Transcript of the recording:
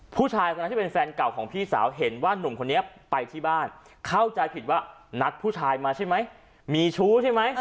ผู้ชายคนนั้นที่เป็นแฟนเก่าของพี่สาวเห็นว่านุ่มคนนี้ไปที่บ้านเข้าใจผิดว่านัดผู้ชายมาใช่ไหมมีชู้ใช่ไหม